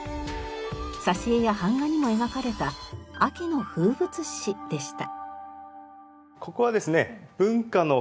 挿絵や版画にも描かれた秋の風物詩でした。